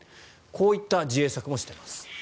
こういった自衛策もしています。